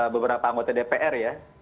beberapa anggota dpr ya